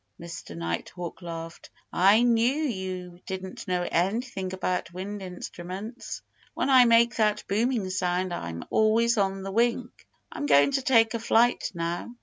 Mr. Nighthawk laughed. "I knew you didn't know anything about wind instruments. When I make that booming sound I'm always on the wing. I'm going to take a flight now.